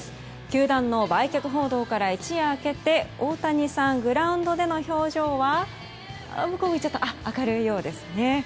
球団の売却報道から一夜明けて大谷さん、グラウンドでの表情は明るいようですね。